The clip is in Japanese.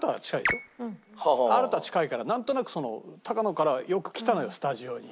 アルタ近いからなんとなくタカノからよく来たのよスタジオに。